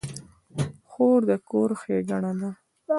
خور د کور ښېګڼه ده.